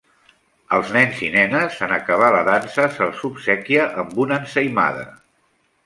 Els nens i nenes, en acabar la dansa se’ls obsequia amb una ensaïmada.